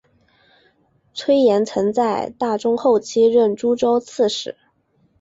崔彦曾在大中后期任诸州刺史。